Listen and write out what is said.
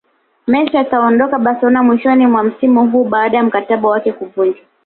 Messi ataondoka Barcelona mwishoni mwa msimu huu baada ya mkataba wake kuvunjwa